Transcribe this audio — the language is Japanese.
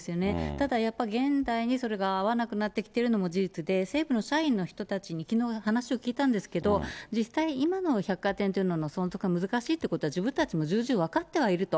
ただやっぱり現代にそれが合わなくなってきてるのも事実で、西武の社員の人たちにきのう話を聞いたんですけど、実際今の百貨店というのの、存続が難しいというのは自分たちも重々分かっていると。